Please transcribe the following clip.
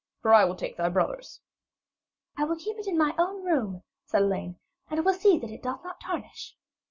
For I will take thy brother's.' 'I will keep it in my own room,' said Elaine, 'and will see that it doth not tarnish.'